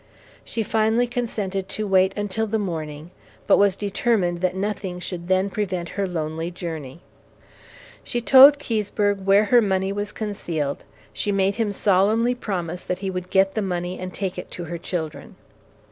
She finally consented to wait until the morning, but was determined that nothing should then prevent her lonely journey. She told Keseberg where her money was concealed, she made him solemnly promise that he would get the money and take it to her children.